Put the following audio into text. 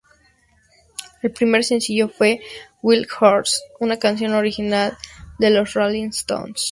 El primer sencillo fue ""Wild Horses"", una canción original de los Rolling Stones.